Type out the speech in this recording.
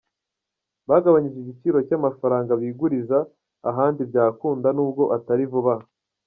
Bagabanyije igiciro cy’amafaranga biguriza ahandi byakunda nubwo atari vuba aha.